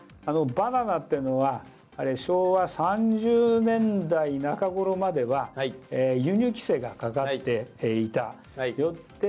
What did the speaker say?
バナナっていうのは、あれ、昭和３０年代中頃までは、輸入規制がかかっていた。